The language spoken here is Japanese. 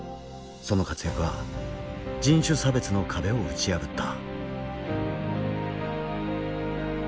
その活躍は人種差別の壁を打ち破った。